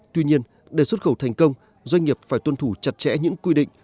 tuy nhiên để xuất khẩu thành công doanh nghiệp phải tuân thủ chặt chẽ những quy định